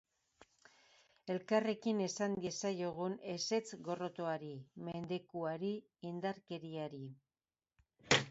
Elkarrekin esan diezaiogun ezetz gorrotoari, mendekuari, indarkeriari.